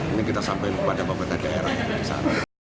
ini kita sampaikan kepada bapak dki raya